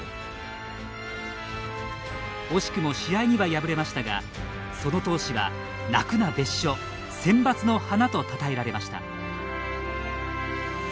惜しくも試合には敗れましたがその闘志は「泣くな別所センバツの花」とたたえられました。